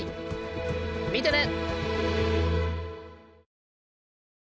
見てね！